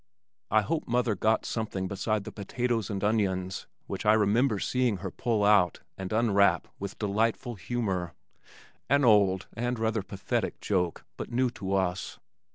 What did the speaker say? I hope mother got something beside the potatoes and onions which I remember seeing her pull out and unwrap with delightful humor an old and rather pathetic joke but new to us.